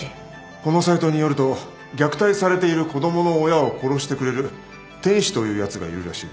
このサイトによると虐待されている子供の親を殺してくれる天使というやつがいるらしい。